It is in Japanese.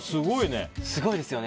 すごいですよね。